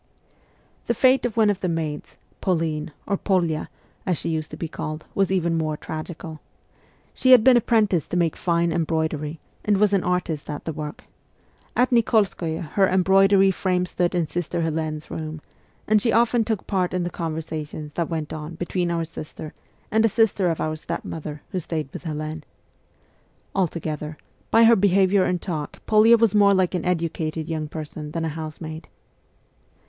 The fate of one of the maids, Pauline, or Polya, as CHILDHOOD 65 she used to be called, was even more tragical. She had been apprenticed to make fine embroidery, and was an artist at the work. At Nikolskoye her embroidery frame stood in sister Helene's room, and she often took part in the conversations that went on between our sister and a sister of our stepmother who stayed with Helene. Altogether, by her behaviour and talk Polya was more like an educated young person than a house maid.